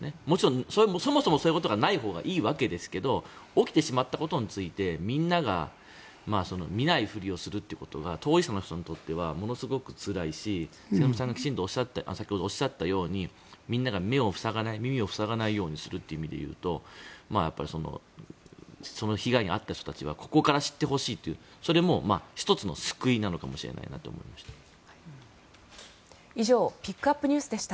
もちろんそもそもそういうことがないほうがいいわけですけど起きてしまったことについてみんなが見ないふりをするってことは当事者の人にとってはものすごくつらいし末延さんが先ほどおっしゃったようにみんなが目を塞がない耳を塞がないという意味でいうとその被害に遭った人たちはここから知ってほしいというそれも１つの救いなのかもしれないなと思いました。